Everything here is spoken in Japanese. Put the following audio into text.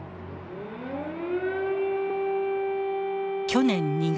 去年２月。